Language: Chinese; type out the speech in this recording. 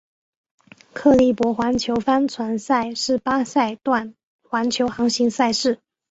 克利伯环球帆船赛是八赛段环球航行赛事。